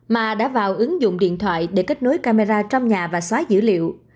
mà đã vào ứng dụng điện thoại để kết nối camera trong nhà và xóa dữ liệu